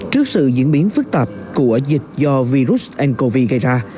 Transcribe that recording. trước sự diễn biến phức tạp của dịch do virus and covid gây ra